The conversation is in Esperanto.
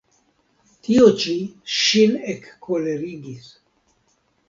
Tio ĉi ŝin ekkolerigis.